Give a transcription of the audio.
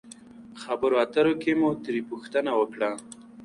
خبرو اترو کښې مو ترې پوښتنه وکړه